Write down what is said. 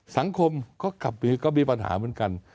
สังคมก็มีปัญหาเหมือนกัน